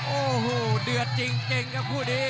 โอ้โหเดือดจริงครับคู่นี้